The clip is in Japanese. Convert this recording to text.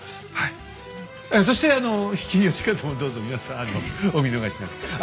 そして比企能員もどうぞ皆さんお見逃しなく。